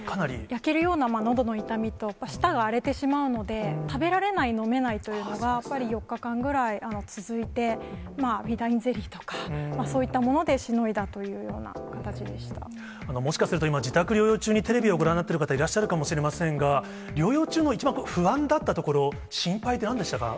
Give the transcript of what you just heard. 焼けるようなのどの痛みと、舌が荒れてしまうので、食べられない、飲めないというのが、やっぱり４日間ぐらい続いて、ウィダーインゼリーとか、そういったものでしのいだというようなもしかすると今、自宅療養中にテレビをご覧になっている方いらっしゃるかもしれませんが、療養中の一番不安だったところ、心配って、なんでしたか？